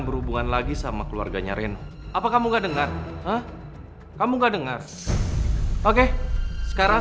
berhubungan lagi sama keluarganya reno apa kamu gak dengar kamu gak dengar oke sekarang